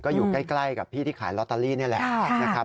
ก็อยู่ใกล้กับพี่ที่ขายลอตเตอรี่นี่แหละนะครับ